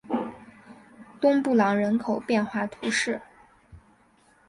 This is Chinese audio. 东布朗人口变化图示